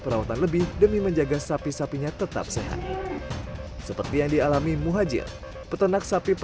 perawatan lebih demi menjaga sapi sapinya tetap sehat seperti yang dialami muhajir peternak sapi